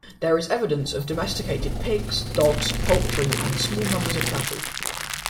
There is evidence of domesticated pigs, dogs, poultry, and small numbers of cattle.